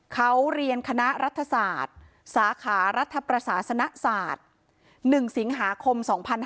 เขาเรียนคณะรัฐศาสตร์สาขารัฐประศาสนศาสตร์๑สิงหาคม๒๕๕๙